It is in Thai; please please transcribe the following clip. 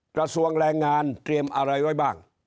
กระทรวงแรงงานเตรียมอะไรไว้บ้าง